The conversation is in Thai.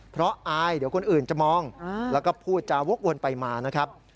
เพราะอายเดี๋ยวคนอื่นจะมองแล้วก็พูดจาวกวนไปมานะครับ